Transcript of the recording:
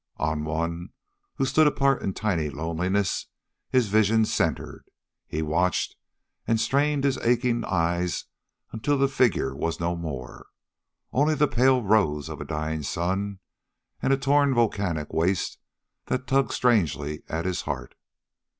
On one, who stood apart in tiny loneliness, his vision centered. He watched and strained his aching eyes until the figure was no more. Only the pale rose of a dying sun, and a torn, volcanic waste that tugged strangely at his heart.